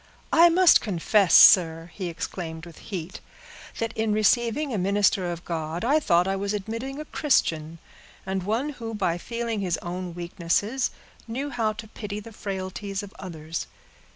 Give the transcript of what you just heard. "I must confess, sir," he exclaimed with heat, "that in receiving a minister of God, I thought I was admitting a Christian; and one who, by feeling his own weaknesses, knew how to pity the frailties of others.